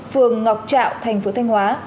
phường ngọc trạo thành phố thanh hóa